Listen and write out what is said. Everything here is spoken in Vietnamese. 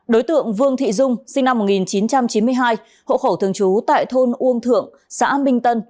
đối tượng vương thị dung sinh năm một nghìn chín trăm chín mươi hai hộ khẩu thường trú tại thôn uông thượng xã minh tân